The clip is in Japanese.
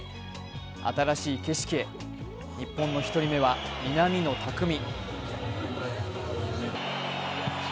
新しい景色へ日本の１人目は南野拓実。